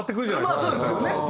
まあそうですよね。